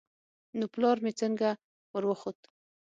نو پلار مې څنگه وروخوت.